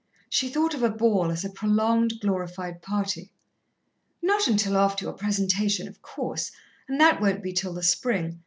She thought of a ball as a prolonged, glorified party. "Not until after your presentation, of course, and that won't be till the spring.